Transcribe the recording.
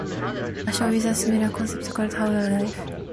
A show with a similar concept called How's Life?